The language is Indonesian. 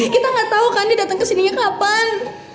kita gak tau kan dia dateng kesininya kapan